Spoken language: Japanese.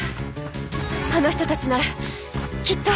あの人たちならきっと。